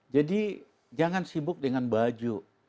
jadi jangan sibuk dengan baju